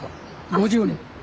５０年。